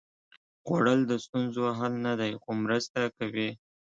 خوړل د ستونزو حل نه دی، خو مرسته کوي